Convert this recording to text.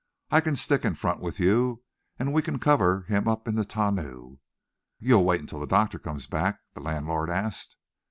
"I can stick it in front with you, and we can cover him up in the tonneau." "You'll wait until the doctor comes back?" the landlord asked.